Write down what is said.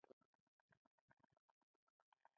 تر ټولو لوی خدمت دی.